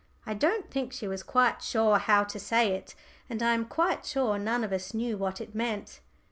I don't think she was quite sure how to say it, and I am quite sure none of us knew what it meant.